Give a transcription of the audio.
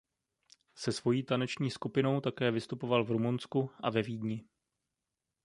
Se svojí taneční skupinou také vystupoval v Rumunsku a ve Vídni.